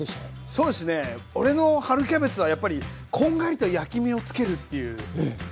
そうですね俺の春キャベツはやっぱりこんがりと焼き目をつけるっていうところっすかね。